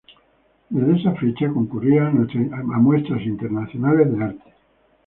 Desde esa fecha concurría a muestras internacionales de arte.